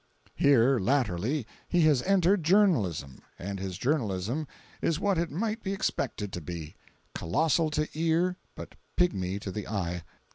Here latterly he has entered journalism; and his journalism is what it might be expected to be: colossal to ear, but pigmy to the eye.